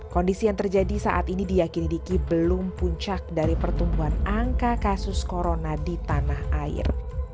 kondisi yang terjadi saat ini diakini diki belum puncak dari pertumbuhan angka kasus corona di tanah air